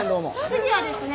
次はですね。